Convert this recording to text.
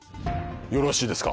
よろしいですか。